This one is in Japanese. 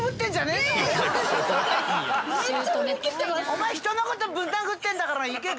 お前人のことぶん殴ってんだからいけ。